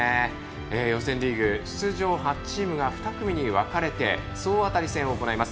予選リーグ出場８チームが２組に分かれて総当たり戦を行います。